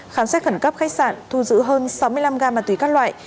khám xét khẩn cấp khách sạn thu giữ hơn sáu mươi năm ga ma túy các loại